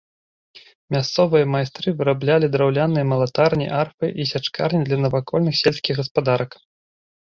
Мясцовыя майстры выраблялі драўляныя малатарні, арфы і сячкарні для навакольных сельскіх гаспадарак.